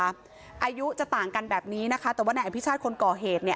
อายุจะต่างกันแบบนี้นะคะแต่ว่านายอภิชาติคนก่อเหตุเนี่ย